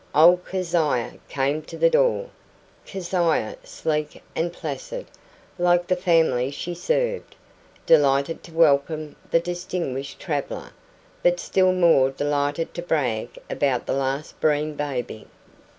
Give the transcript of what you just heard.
Old Keziah came to the door Keziah sleek and placid, like the family she served delighted to welcome the distinguished traveller, but still more delighted to brag about the last Breen baby.